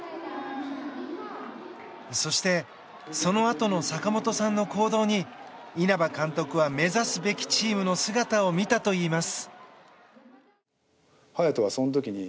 そして、そのあとの坂本さんの行動に稲葉監督は、目指すべきチームの姿を見たといいます。